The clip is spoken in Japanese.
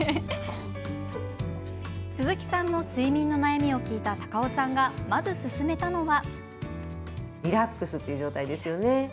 鈴木さんの睡眠の悩みを聞いた高尾さんが、まず勧めたのは。